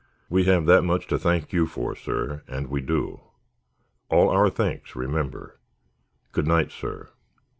We have that much to thank you for, sir, and we do. All our thanks, remember. Good night, sir."